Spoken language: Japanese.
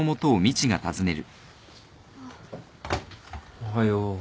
おはよう。